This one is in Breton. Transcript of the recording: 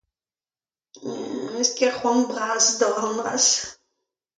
N'em eus ket c'hoant bras d'ober an dra-se.